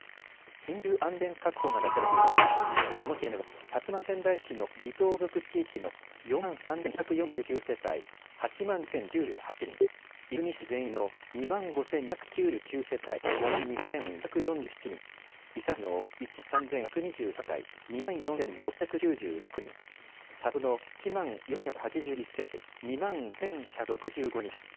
緊急安全確保が出されているのは鹿児島県では薩摩川内市の離島を除く地域の４万３５４９世帯８万９０９８人、出水市全域の２万５２９９世帯、５万２５４７人、伊佐市の１万３１２３世帯、２万４６９６人、さつま町の１万４８１世帯、２万１１６５人です。